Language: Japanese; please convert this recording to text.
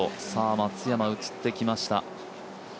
松山、映ってきました。